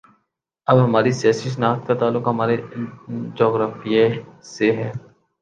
اب ہماری سیاسی شناخت کا تعلق ہمارے جغرافیے سے ہے۔